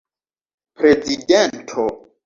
prezidento